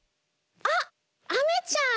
あっアメちゃん！